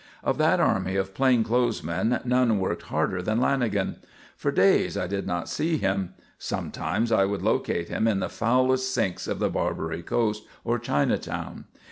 Of that army of plain clothes men none worked harder than Lanagan. For days I did not see him. Sometimes I would locate him in the foulest sinks of the Barbary Coast or Chinatown.